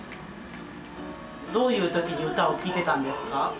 どういう時に歌を聴いてたんですか？